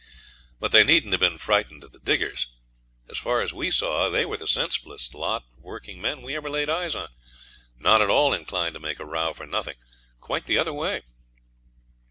But they needn't have been frightened at the diggers. As far as we saw they were the sensiblest lot of working men we ever laid eyes on; not at all inclined to make a row for nothing quite the other way.